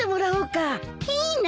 いいの？